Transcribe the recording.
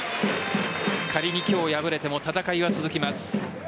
仮に今日敗れても戦いは続きます。